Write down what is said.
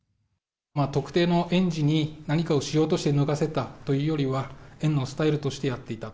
特定の園児に何かをしようとして脱がせたというよりは、園のスタイルとしてやっていたと。